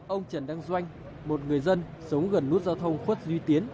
ông trần đăng doanh một người dân sống gần nút giao thông khuất duy tiến